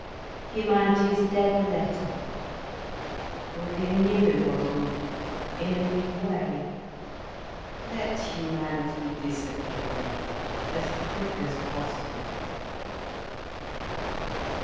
Humanity is a dead letter. There will be a new embodiment, in a new way. Let humanity disappear as quick as possible."